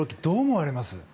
どう思われます？